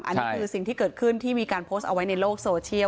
อันนี้คือสิ่งที่เกิดขึ้นที่มีการโพสต์เอาไว้ในโลกโซเชียล